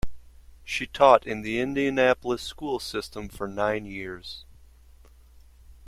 She taught in the Indianapolis School System for nine years.